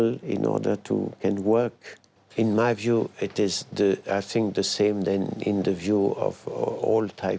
ในหน้าที่ฉันคิดว่าคือเหมือนกันกับทุกคนที่มีความรัก